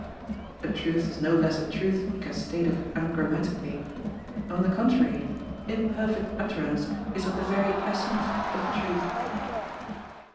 A truth is no less a truth because stated ungrammatically. On the contrary, imperfect utterance is of the very essence of truth.